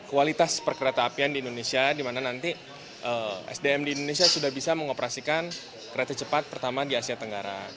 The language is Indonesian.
kualitas perkereta apian di indonesia dimana nanti sdm di indonesia sudah bisa mengoperasikan kereta cepat pertama di asia tenggara